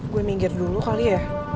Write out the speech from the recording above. gue minggir dulu kali ya